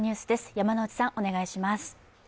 山内さん、お願いします。